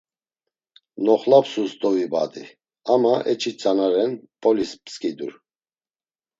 Noxlapsus dovibadi ama eçi tzana ren Mp̌olis pskidur.